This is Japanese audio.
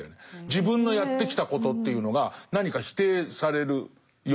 自分のやってきたことというのが何か否定されるような。